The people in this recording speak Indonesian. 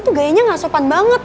tuh gayanya gak sopan banget